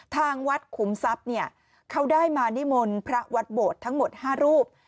ทางวัดขุมทรัพย์เนี่ยเขาได้มานิมนต์พระวัดโบสถ์ทั้งหมด๕รูป